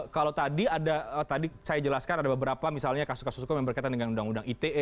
kalau tadi ada tadi saya jelaskan ada beberapa misalnya kasus kasus hukum yang berkaitan dengan undang undang ite